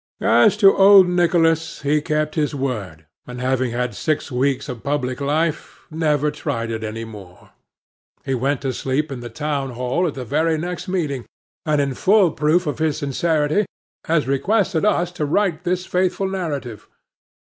As to old Nicholas, he kept his word, and having had six weeks of public life, never tried it any more. He went to sleep in the town hall at the very next meeting; and, in full proof of his sincerity, has requested us to write this faithful narrative.